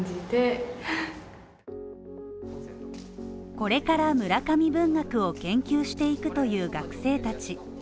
これから村上文学を研究していくという学生たち。